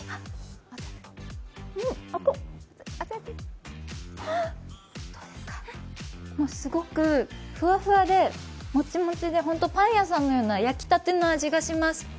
あ、すごくふわふわでもちもちで本当にパン屋さんのような焼きたての味がします。